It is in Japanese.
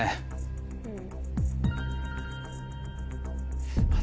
うん。